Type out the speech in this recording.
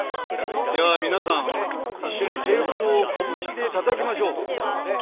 「じゃあ皆さん一緒にテーブルを拳で叩きましょう」。